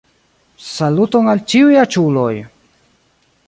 Saluton al ĉiuj aĉuloj